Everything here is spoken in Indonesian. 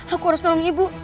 aku harus balang ibu